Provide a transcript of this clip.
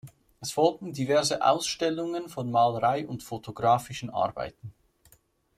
Es folgten diverse Ausstellungen von Malerei und fotografischen Arbeiten.